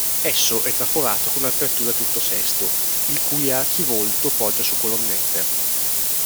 Esso è traforato con aperture a tutto sesto il cui archivolto poggia su colonnette.